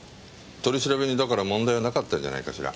取り調べにだから問題はなかったんじゃないかしら。